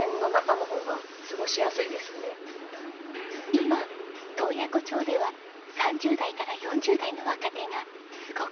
今洞爺湖町では３０代から４０代の若手がすごく頑張っているんです。